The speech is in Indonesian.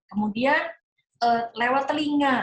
kemudian lewat telinga